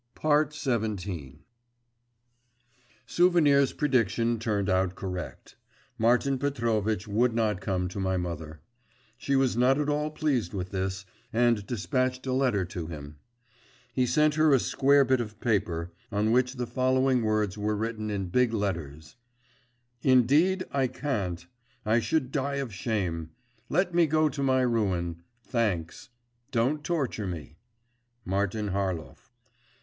XVII Souvenir's prediction turned out correct. Martin Petrovitch would not come to my mother. She was not at all pleased with this, and despatched a letter to him. He sent her a square bit of paper, on which the following words were written in big letters: 'Indeed I can't. I should die of shame. Let me go to my ruin. Thanks. Don't torture me. Martin Harlov.